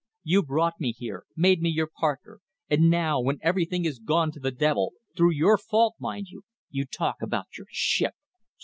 You brought me here, made me your partner, and now, when everything is gone to the devil through your fault, mind you you talk about your ship